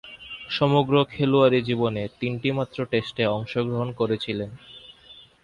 সমগ্র খেলোয়াড়ী জীবনে তিনটিমাত্র টেস্টে অংশগ্রহণ করেছিলেন।